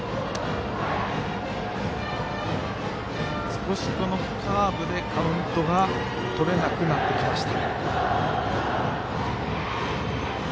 少しカーブでカウントがとれなくなってきました。